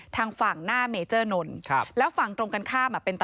ทางฝั่งหน้าเมเจอร์นนท์